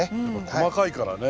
細かいからね。